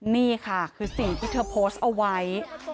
นี่ค่ะคือสิ่งที่เธอโพสต์เอาไว้